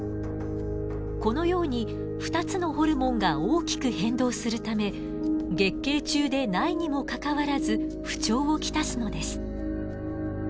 このように２つのホルモンが大きく変動するため月経中でないにもかかわらず不調を来すのです。